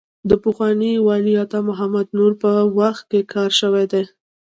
د پخواني والي عطا محمد نور په وخت کې کار شوی دی.